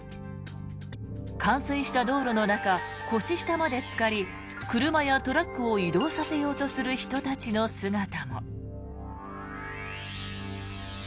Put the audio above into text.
冠水した道路の中腰下までつかり車やトラックを移動させようとする人たちの姿も。